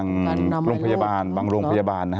ครับบางโรงพยาบาล